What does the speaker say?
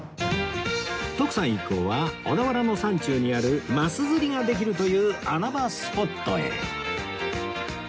徳さん一行は小田原の山中にあるマス釣りができるという穴場スポットへ